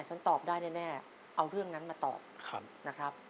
ฉันตอบได้แน่เอาเรื่องนั้นมาตอบนะครับ